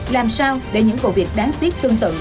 làm sao để những vụ việc đáng tiếc tương tự